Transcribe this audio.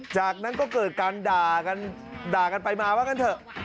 จากนั้นก็เกิดการด่ากันด่ากันไปมาว่ากันเถอะ